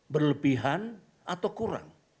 berlebihan atau kurang